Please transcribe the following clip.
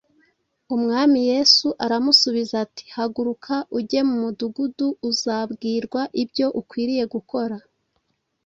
Umwami Yesu aramusubiza ati, “Haguruka, ujye mu mudugudu, uzabwirwa ibyo ukwiriye gukora.